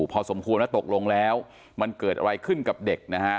พอสมควรว่าตกลงแล้วมันเกิดอะไรขึ้นกับเด็กนะฮะ